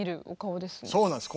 そうなんです。